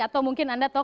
atau mungkin anda tahu